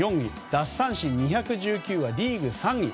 奪三振２１９はリーグ３位。